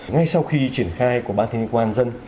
ngay sau khi triển khai của ban thanh niên công an nhân